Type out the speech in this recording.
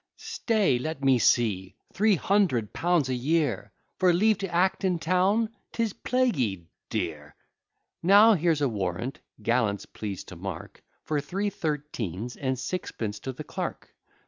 Stay! let me see Three hundred pounds a year, For leave to act in town! 'Tis plaguy dear. Now, here's a warrant; gallants, please to mark, For three thirteens, and sixpence to the clerk.